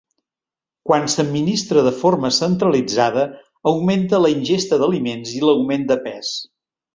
Quan s'administra de forma centralitzada augmenta la ingesta d'aliments i l'augment de pes.